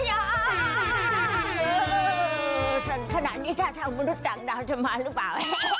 เออสันขนาดนี้ถ้าเท่ามนุษย์ดังดาวจะมาหรือเปล่า